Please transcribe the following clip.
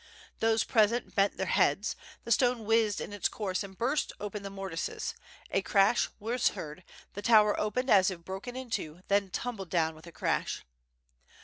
Those present bent their heads, the stone whizzed in its course and burst open the mortices; a crash was heard, the tower opened as if broken in two, then tumbled down with a crash.